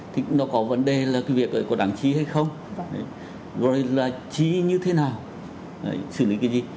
thì nó có vấn đề là cái việc có đáng trí hay không gọi là trí như thế nào xử lý cái gì